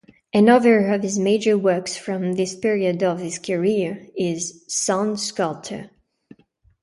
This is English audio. Another of his major works from this period of his career is "Sound Sculpture".